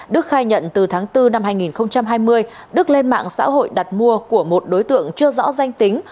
đức khai nhận từ tháng bốn năm hai nghìn hai mươi đức lên mạng xã hội đặt mua của một đối tượng chưa rõ danh tính